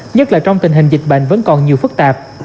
nhất là trong tình hình dịch bệnh vẫn còn nhiều phức tạp